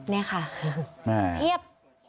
เนี่ยค่ะเหี้ยบ